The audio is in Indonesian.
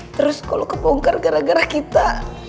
terus kalo kepongkar gara gara kita